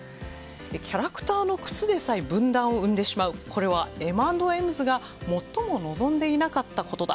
キャラクターの靴でさえ分断を生んでしまうこれはＭ＆Ｍ’ｓが最も望んでいなかったことだ。